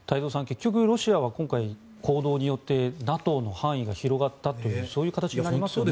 結局、ロシアは今回行動によってＮＡＴＯの範囲が広がったという形になりますよね。